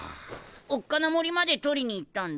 おっかな森まで採りにいったんだ。